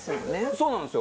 そうなんですよ。